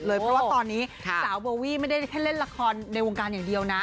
เพราะว่าตอนนี้สาวโบวี่ไม่ได้แค่เล่นละครในวงการอย่างเดียวนะ